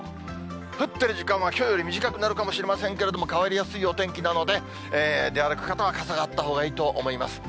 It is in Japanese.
降っている時間は、きょうより短くなるかもしれませんけども、変わりやすい天気なので、出歩く方は傘があったほうがいいと思います。